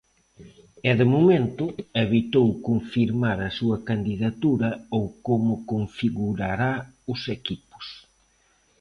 E de momento, evitou confirmar a súa candidatura ou como configurará os equipos.